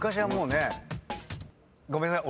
ごめんなさい。